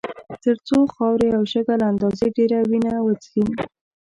تر څو خاورې او شګه له اندازې ډېره وینه وڅښي.